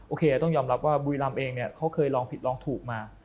โอเคต้องยอมรับว่าบุยรำเองเขาเคยลองผิดลองถูกมา